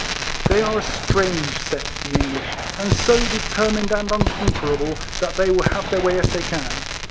They are a strange set, the English! and so determined and unconquerable, that they will have their way if they can.